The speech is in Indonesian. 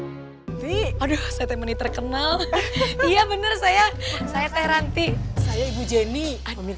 hai di aduh saya temen terkenal iya bener saya saya teranti saya ibu jenny